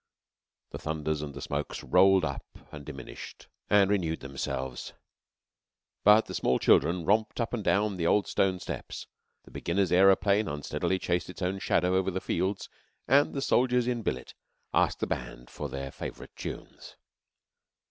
The thunders and the smokes rolled up and diminished and renewed themselves, but the small children romped up and down the old stone steps; the beginner's aeroplane unsteadily chased its own shadow over the fields; and the soldiers in billet asked the band for their favourite tunes.